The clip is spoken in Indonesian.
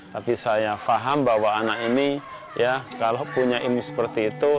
tapi saya paham bahwa anak ini ya kalau punya ilmu seperti itu